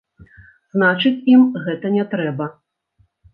Значыць ім гэта не трэба.